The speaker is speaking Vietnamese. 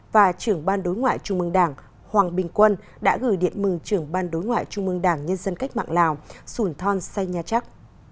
và trưởng ban đối ngoại trung mương đảng hoàng bình quân đã gửi điện mừng trưởng ban đối ngoại trung mương đảng nhân dân cách mạng lào sùn thon say nha trắc